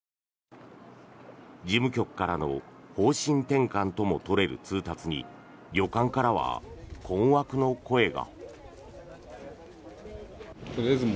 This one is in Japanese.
事務局からの方針転換とも取れる通達に旅館からは困惑の声が。